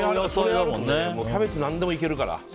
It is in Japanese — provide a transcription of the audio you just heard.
キャベツ、何でもいけるから。